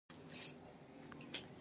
هغه شېبې مې په یادیږي.